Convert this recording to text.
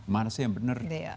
mana sih yang benar